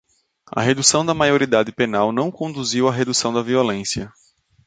A redução da maioridade penal não conduziu à redução da violência